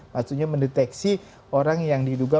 maksudnya mendeteksi orang yang diduga